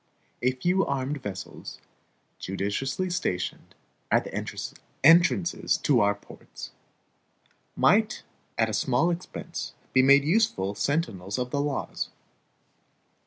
A few armed vessels, judiciously stationed at the entrances of our ports, might at a small expense be made useful sentinels of the laws.